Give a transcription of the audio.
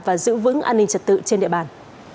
và giữ vững an ninh trật tự trên địa bàn